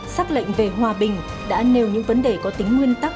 xác lệnh về hòa bình đã nêu những vấn đề có tính nguyên tắc